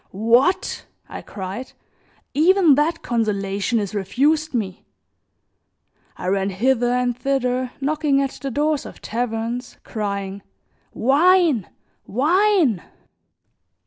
"What!" I cried, "even that consolation is refused me!" I ran hither and thither knocking at the doors of taverns crying: "Wine! Wine!"